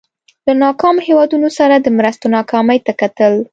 له ناکامو هېوادونو سره د مرستو ناکامۍ ته کتل.